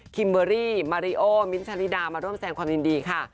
เบอรี่มาริโอมิ้นท์ชาลิดามาร่วมแสงความยินดีค่ะ